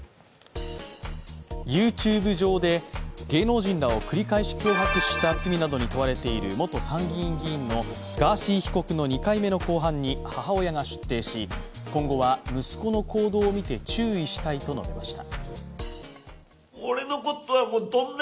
ＹｏｕＴｕｂｅ上で芸能人らを繰り返し脅迫した罪などに問われている元参議院議員のガーシー被告の２回目の公判に母親が出廷し、今後は息子の行動を見て注意したいと述べました。